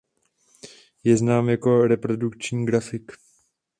Je znám jako reprodukční grafik.